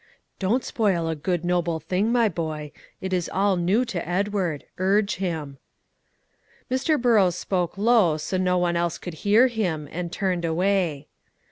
"Don't spoil a good, noble thing, my boy. It is all new to Edward; urge him." Mr. Burrows spoke low, so no one else could hear him, and turned away.